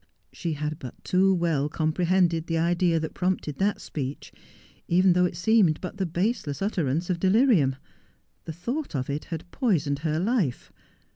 ' She had but too well comprehended the idea that prompted that speech — even though it seemed but the baseless utterance of delirium. The thought of it had poisoned her life.